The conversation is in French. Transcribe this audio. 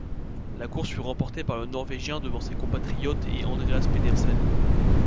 La course fut remportée par le norvégien devant ses compatriotes et Andreas Pedersen.